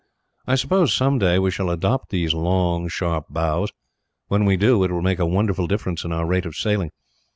I suppose, some day, we shall adopt these long sharp bows; when we do, it will make a wonderful difference in our rate of sailing.